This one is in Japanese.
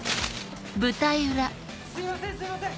すいませんすいません！